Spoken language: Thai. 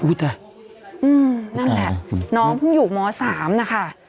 นั่นแหละน้องเพิ่งอยู่ม๓นะคะ